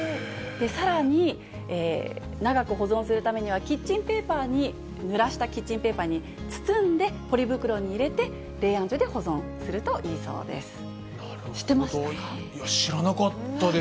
さらに長く保存するためには、キッチンペーパーに、ぬらしたキッチンペーパーに包んで、ポリ袋に入れて、冷暗所で保存するといいそうです。